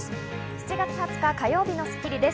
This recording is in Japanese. ７月２０日、火曜日の『スッキリ』です。